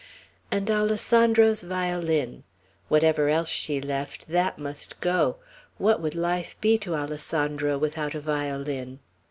And Alessandro's violin. Whatever else she left, that must go. What would life be to Alessandro without a violin!